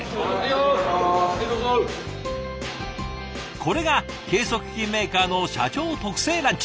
これが計測器メーカーの社長特製ランチ。